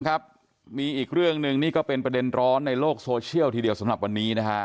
ครับมีอีกเรื่องหนึ่งนี่ก็เป็นประเด็นร้อนในโลกโซเชียลทีเดียวสำหรับวันนี้นะฮะ